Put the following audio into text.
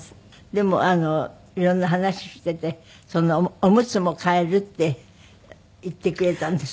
でも色んな話していておむつも替えるって言ってくれたんですって？